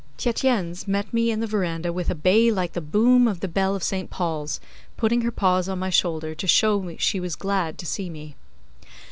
Tietjens met me in the verandah with a bay like the boom of the bell of St. Paul's, putting her paws on my shoulder to show she was glad to see me.